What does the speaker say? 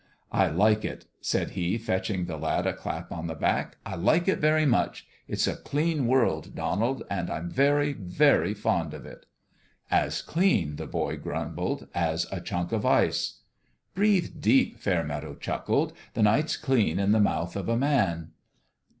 " I like it," said he, fetching the lad a clap on the back. " I like it very much. It's a clean world, Donald, and I'm very, very fond of it." "As clean," the boy grumbled, "as a chunk of ice." "Breathe deep," Fairmeadow chuckled; "the night's clean in the mouth of a man."